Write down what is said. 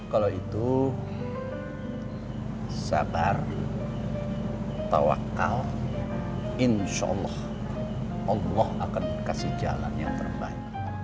kalau itu sabar tawakal insya allah allah akan kasih jalan yang terbaik